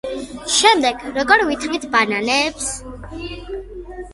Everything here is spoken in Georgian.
შემდეგ: როგორ ვითვლით ბანანებს?